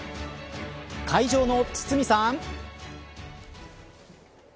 会場の堤さん。